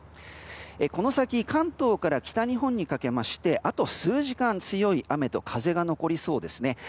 この先関東から北日本にかけましてあと数時間、強い雨と風が残りそうですね。